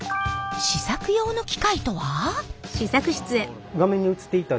試作用の機械とは？